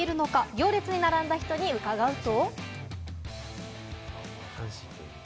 行列に並んだ人に伺うと。